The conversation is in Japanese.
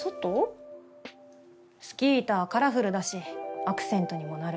スキー板はカラフルだしアクセントにもなる。